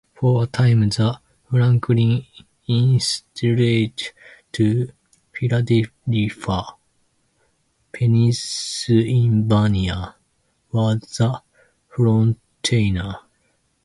For a time, the Franklin Institute in Philadelphia, Pennsylvania, was the frontrunner.